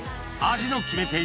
味の決め手